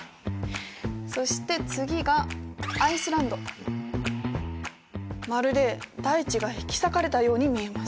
そして次がまるで大地が引き裂かれたように見えます。